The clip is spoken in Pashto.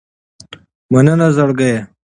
مننه زړګیه